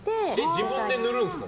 自分で塗るんですか？